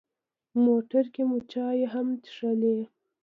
موټر کې مو چای هم څښلې.